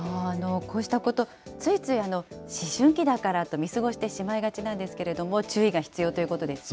こうしたこと、ついつい思春期だからと見過ごしてしまいがちなんですけれども、注意が必要ということですね。